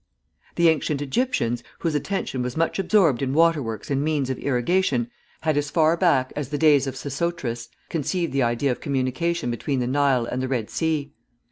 The ancient Egyptians, whose attention was much absorbed in waterworks and means of irrigation, had, as far back as the days of Sesostris, conceived the idea of communication between the Nile and the Red Sea.